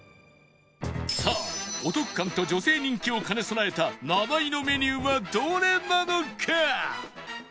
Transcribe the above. さあお得感と女性人気を兼ね備えた７位のメニューはどれなのか？